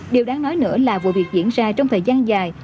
điều đáng nói nữa là vụ việc diễn ra trong thời gian dài